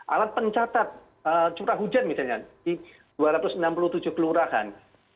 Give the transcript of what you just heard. alat pencatat curah hujan misalnya di dua ratus enam puluh tujuh kelurahan